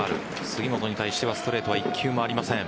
杉本に対してはストレートは１球もありません。